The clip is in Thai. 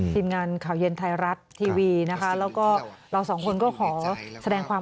ทีมงานข่าวเย็นไทยรัฐทีวีนะคะแล้วก็เราสองคนก็ขอแสดงความ